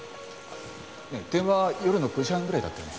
ねえ電話夜の９時半ぐらいだったよね？